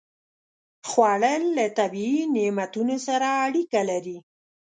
خوړل له طبیعي نعمتونو سره اړیکه لري